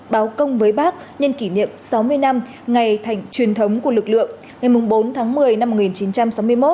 báo công với bác nhân kỷ niệm sáu mươi năm ngày thành truyền thống của lực lượng ngày bốn tháng một mươi năm một nghìn chín trăm sáu mươi một